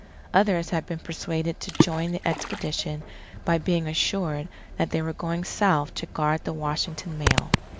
Others had been persuaded to join the expedition by being assured that they were going south to guard the Washington mail.